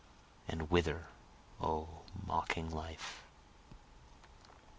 and Whither O mocking life?